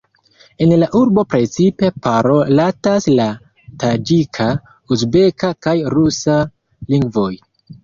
En la urbo precipe parolatas la taĝika, uzbeka kaj rusa lingvoj.